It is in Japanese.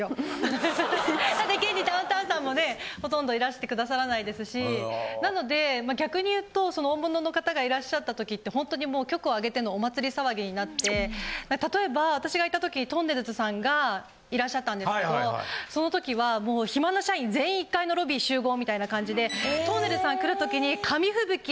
現にダウンタウンさんもねほとんどいらしてくださらないですしなので逆に言うとその大物の方がいらっしゃった時ってほんとにもう局を挙げてのお祭り騒ぎになって例えば私がいた時とんねるずさんがいらっしゃったんですけどその時はもう暇な社員全員１階のロビー集合みたいな感じでとんねるずさん来る時に紙吹雪。